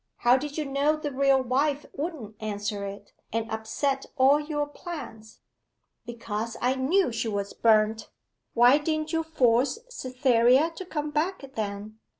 How did you know the real wife wouldn't answer it, and upset all your plans?' 'Because I knew she was burnt.' 'Why didn't you force Cytherea to come back, then?